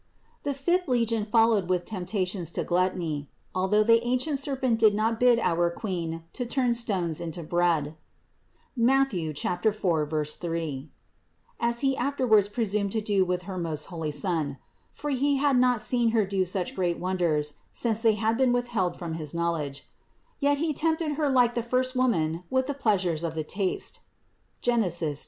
350. The fifth legion followed with temptations to gluttony. Although the ancient serpent did not bid our Queen to turn stones into bread (Matth. 4, 3) as he after wards presumed to do with her most holy Son (for he had not seen Her do such great wonders, since they had been withheld from his knowledge), yet he tempted Her like the first woman with the pleasures of the taste (Gen. 1).